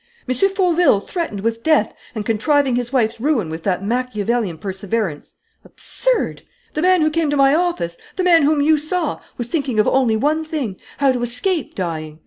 M. Fauville threatened with death and contriving his wife's ruin with that Machiavellian perseverance? Absurd! The man who came to my office, the man whom you saw, was thinking of only one thing: how to escape dying!